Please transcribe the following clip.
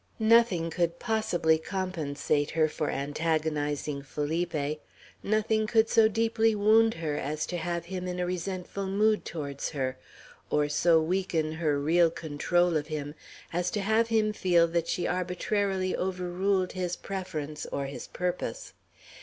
Nothing could possibly compensate her for antagonizing Felipe. Nothing could so deeply wound her, as to have him in a resentful mood towards her; or so weaken her real control of him, as to have him feel that she arbitrarily overruled his preference or his purpose.